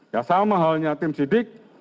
ya sama halnya tim sidik